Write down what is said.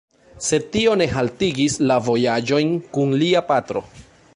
Sed tio ne haltigis la vojaĝojn kun lia patro.